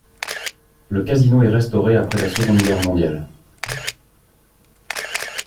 Le casino est restauré après la seconde Guerre mondiale.